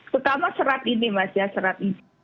pertama serat ini mas ya serat ini